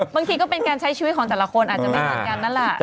เป็นการใช้ชีวิตของแต่ละคนอาจจะไม่เหมือนกันนั่นแหละ